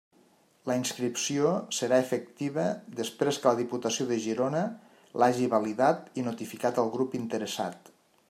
La inscripció serà efectiva després que la Diputació de Girona l'hagi validat i notificat al grup interessat.